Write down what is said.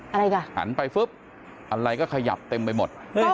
อะไรอ่ะหันไปฟึ๊บอะไรก็ขยับเต็มไปหมดเฮ้ย